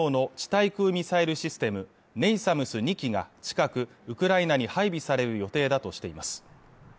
対空ミサイルシステムＮＡＳＡＭＳ２基が近くウクライナに配備される予定だとしています